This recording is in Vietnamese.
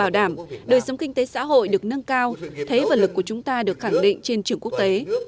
tổng kinh tế xã hội được nâng cao thế và lực của chúng ta được khẳng định trên trường quốc tế